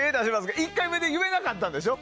１回目で言えなかったんでしょ？